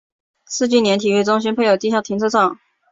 世纪莲体育中心配有地下停车场。